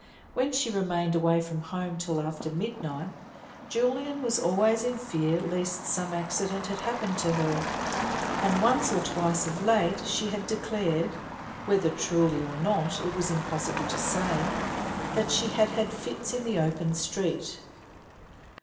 When she remained away from home till after midnight, Julian was always in fear lest some accident had happened to her, and once or twice of late she had declared (whether truly or not it was impossible to say) that she had had fits in the open street.